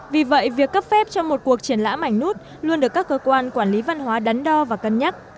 vì vậy việc cấp phép cho một cuộc triển lãm ảnh nút luôn được các cơ quan quản lý văn hóa đắn đo và cân nhắc